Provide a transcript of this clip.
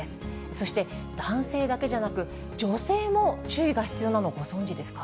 そして、男性だけじゃなく、女性も注意が必要なのご存じですか？